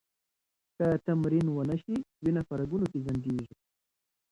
که تمرین ونه شي، وینه په رګونو کې ځنډېږي.